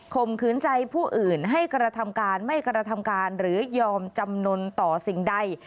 มขืนใจผู้อื่นให้กระทำการไม่กระทำการหรือยอมจำนวนต่อสิ่งใด